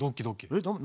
えっ何何？